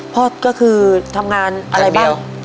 พ่อก็คือทำงานอะไรบ้าง